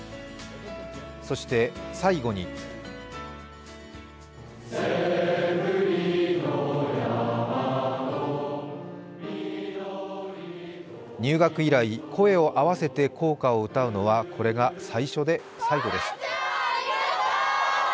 そして最後に入学以来、声を合わせて校歌を歌うのはこれが最初で最後です。